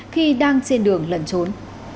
khi đang trên đường lẩn trốn